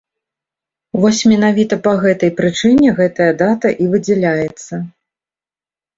Вось менавіта па гэтай прычыне гэтая дата і выдзяляецца.